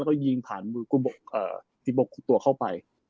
แล้วก็ยิงผ่านมือที่บกตัวเข้าไป